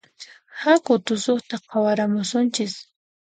Haku tusuqta qhawarakamusunchis